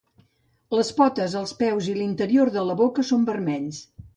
Les potes, els peus i l'interior de la boca són vermells.